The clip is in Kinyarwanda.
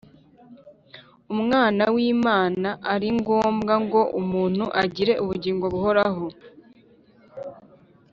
Umwana w'Imana ari ngombwa ngo umuntu agire ubugingo buhoraho?